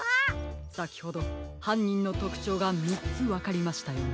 さきほどはんにんのとくちょうが３つわかりましたよね。